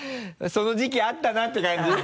「その時期あったな」って感じ？